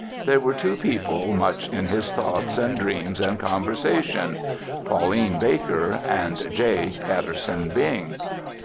There were two people much in his thoughts and dreams and conversation Pauline Baker and J. Patterson Bing.